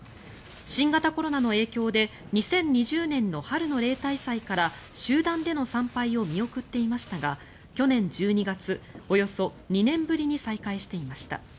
新型コロナの影響で２０２０年の春の例大祭から集団での参拝を見送っていましたが去年１２月、およそ２年ぶりに再開していました。